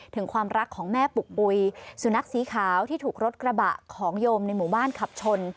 ถึงความรักของแม่ปุกปุ๋ยสุนัขสีขาวที่ถูกรถกระบะของโยมในหมู่บ้านขับชน